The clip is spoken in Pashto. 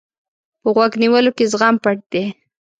په غوږ نیولو کې زغم پټ دی.